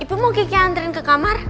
ibu mau kiki anterin ke kamar